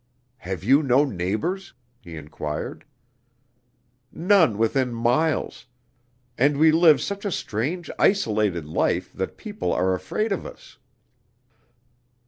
"Have you no neighbors?" he inquired. "None within miles; and we live such a strange isolated life that people are afraid of us."